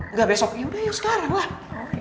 nggak besok yaudah ayo sekarang lah